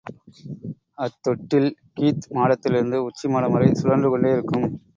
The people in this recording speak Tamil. அத்தொட்டில் கீத் மாடத்திலிருந்து, உச்சி மாடம் வரை சுழன்று கொண்டே இருக்கும்.